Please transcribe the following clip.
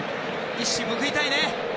一矢報いたいね。